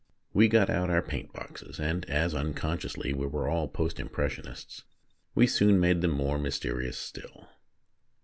We got out our paint boxes, and, as unconsciously we were all Post Impression ists, we soon made them more mysterious still.